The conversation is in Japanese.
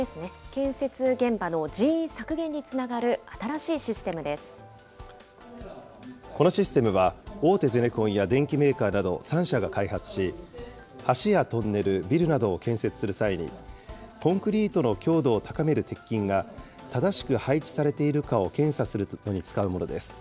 建設現場の人員削減につながる新このシステムは、大手ゼネコンや電機メーカーなど３社が開発し、橋やトンネル、ビルなどを建設する際に、コンクリートの強度を高める鉄筋が、正しく配置されているかを検査するのに使うものです。